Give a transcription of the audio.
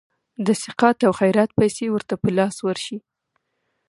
د سقاط او خیرات پیسي ورته په لاس ورشي.